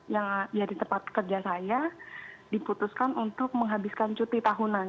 yang di tempat kerja saya diputuskan untuk menghabiskan cuti tahunan